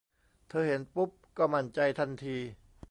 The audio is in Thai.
เธอเห็นปุ๊บก็มั่นใจทันที